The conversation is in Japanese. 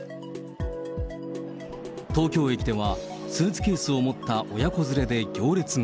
東京駅ではスーツケースを持った親子連れで行列が。